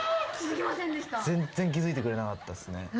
全然気付いてくれなかったっすね。